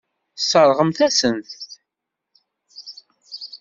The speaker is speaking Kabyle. Tesseṛɣem-asent-t.